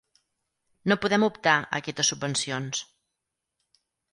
No podem optar a aquestes subvencions.